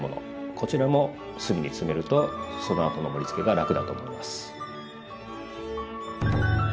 こちらも隅に詰めるとそのあとの盛りつけが楽だと思います。